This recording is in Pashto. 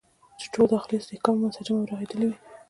چې ټول داخلي استحکام یې منسجم او رغېدلی وي.